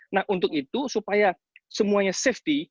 nah untuk itu supaya semuanya safety